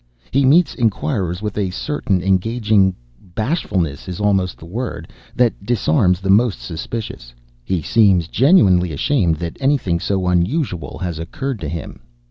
He meets enquirers with a certain engaging bashfulness is almost the word, that disarms the most suspicious. He seems genuinely ashamed that anything so unusual has occurred to him.